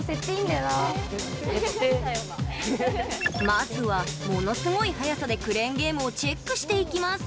まずは、ものすごい速さでクレーンゲームをチェックしていきます。